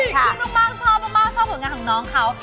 ขึ้นมากชอบอะไรของน้องเขา